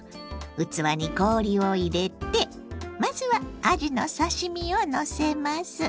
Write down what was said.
器に氷を入れてまずはあじの刺身をのせます。